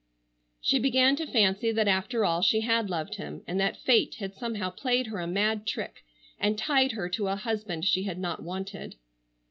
She began to fancy that after all she had loved him, and that Fate had somehow played her a mad trick and tied her to a husband she had not wanted.